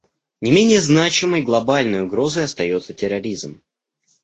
Не менее значимой глобальной угрозой остается терроризм.